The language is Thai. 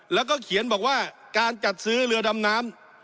แล้วก็เขียนบอกว่าการจัดซื้อเรือดำน้ำ